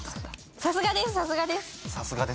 さすがです